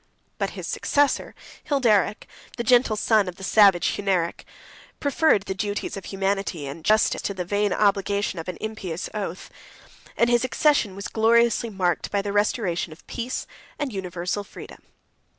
But his successor, Hilderic, the gentle son of the savage Hunneric, preferred the duties of humanity and justice to the vain obligation of an impious oath; and his accession was gloriously marked by the restoration of peace and universal freedom.